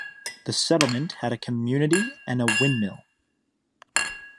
The settlement had a community and a windmill.